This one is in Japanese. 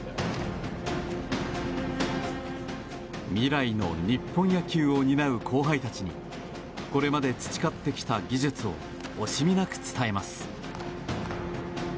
未来の日本野球を担う後輩たちにこれまで培ってきた技術を惜しみなく伝えます。